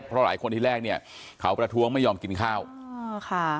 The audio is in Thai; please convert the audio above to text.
เพราะหลายคนที่แรกเนี่ยเขาประท้วงไม่ยอมกินข้าวอ๋อค่ะ